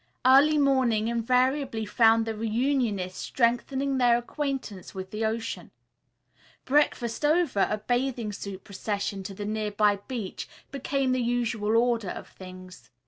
Early morning invariably found the reunionists strengthening their acquaintance with the ocean. Breakfast over, a bathing suit procession to the nearby beach became the usual order of things.